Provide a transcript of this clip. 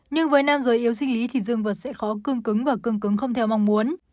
nhưng với nam giới yếu sinh lý thì dương vật sẽ khó cương cứng và cương cứng không theo mong muốn